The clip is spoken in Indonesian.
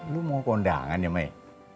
lo mau ke undangan ya may